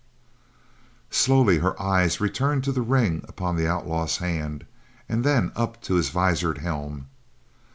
Slowly her eyes returned to the ring upon the outlaw's hand, and then up to his visored helm.